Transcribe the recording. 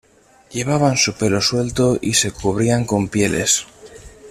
Llevaban su pelo suelto y se cubrían con pieles.